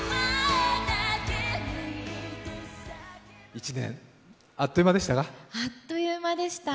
１年、あっという間でしたか。